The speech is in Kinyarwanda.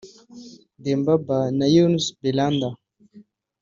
Demba Ba na Younes Belhanda